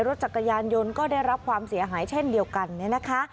รถจักรยานยนต์ก็ได้รับความเสียหายเช่นเดียวกันเนี่ยนะคะ